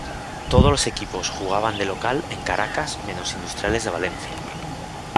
Todos los equipos jugaban de local en Caracas menos Industriales de Valencia.